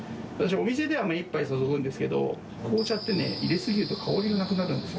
お店では目いっぱい注ぐんですけど斑磴辰討入れすぎると香りがなくなるんですよ。